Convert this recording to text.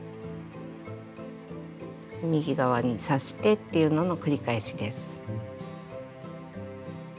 右側に刺してっていうのの繰り返しです。